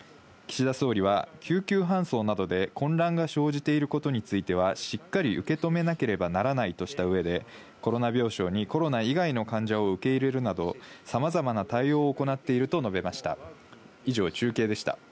岸田総理は、救急搬送などで混乱が生じていることについては、しっかり受け止めなければならないとしたうえで、コロナ病床にコロナ以外の患者を受け入れるなど、さまざまな対応を行っていると述べました。